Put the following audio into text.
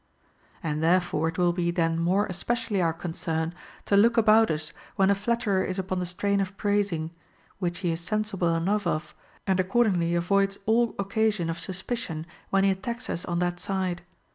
And therefore it will be then more especially our concern to look about us when a flatterer is upon the strain of praising ; which he is sensible enough of, and accordingly avoids all occasion of suspicion when lie at tacks us on that side.